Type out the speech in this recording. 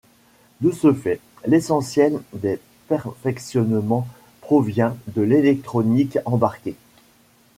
De ce fait, l'essentiel des perfectionnements provient de l'électronique embarquée.